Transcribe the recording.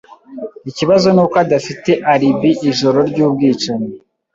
Ikibazo nuko adafite alibi ijoro ryubwicanyi.